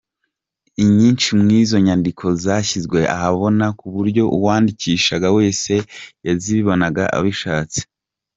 Inyinshi mu izo nyandiko zashyizwe ahabona ku buryo uwashidikanya wese yazibona abishatse.